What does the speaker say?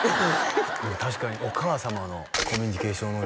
確かにお母様のコミュニケーション能力